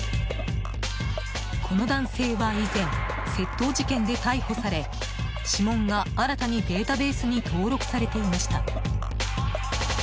この男性は以前窃盗事件で逮捕され指紋が新たにデータベースに登録されていました。